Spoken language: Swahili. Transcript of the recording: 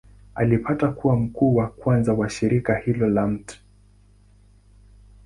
Alipata kuwa mkuu wa kwanza wa shirika hilo lote la Mt.